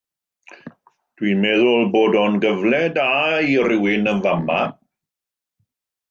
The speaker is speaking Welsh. Dw i'n meddwl bod o'n gyfle da i rhywun yn fama.